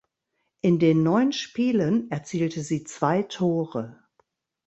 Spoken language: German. In den neun Spielen erzielte sie zwei Tore.